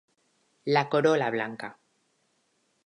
La corola blanca.